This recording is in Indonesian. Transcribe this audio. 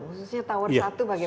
khususnya tower satu bagaimana